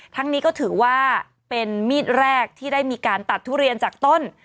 ทั้งนี้ก็ถือว่าเป็นมีดแรกที่ได้มีการตัดทุเรียนจากต้น